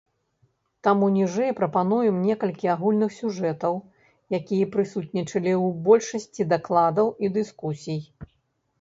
Таму ніжэй прапануем некалькі агульных сюжэтаў, якія прысутнічалі ў большасці дакладаў і дыскусіі.